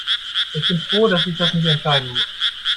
Ich bin froh, dass ich das nicht entscheiden muss.